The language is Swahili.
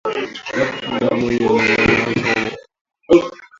Damu yenye rangi nyeusi kutoka kwenye matundu ya mwili yaani mdomo bila kuganda